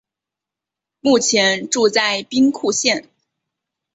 目前住在兵库县。